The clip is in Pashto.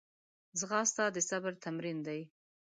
ځغاسته د صبر تمرین دی